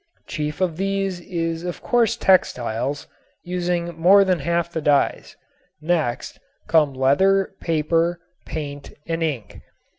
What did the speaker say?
Chief of these is of course textiles, using more than half the dyes; next come leather, paper, paint and ink.